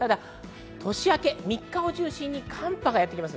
年明け、３日を中心に寒波がやってきます